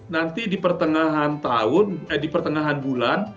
nanti di pertengahan tahun eh di pertengahan bulan